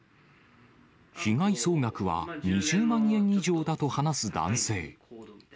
被害総額は２０万円以上だと話す男性。